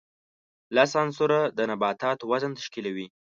لس عنصره د نباتاتو وزن تشکیلوي.